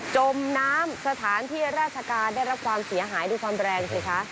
จมน้ำสถานที่ราชการได้รับความเสียหายดูความแรงสิคะ